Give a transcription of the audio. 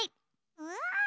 うわ！